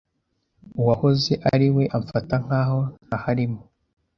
Uwahoze ari we amfata nkaho ntahari mo